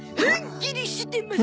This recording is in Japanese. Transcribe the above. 切りしてます。